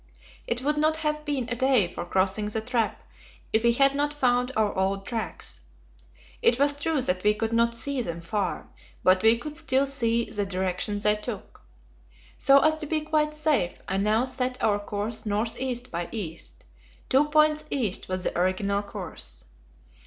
It would not have been a day for crossing the trap if we had not found our old tracks. It was true that we could not see them far, but we could still see the direction they took. So as to be quite safe, I now set our course north east by east two points east was the original course.